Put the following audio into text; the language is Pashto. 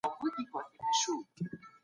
د ټاکنو خپلواک کمېسيون څه دنده لري؟